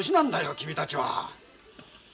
君たちは。